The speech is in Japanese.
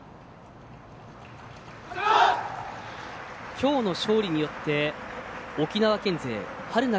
きょうの勝利によって沖縄県勢春夏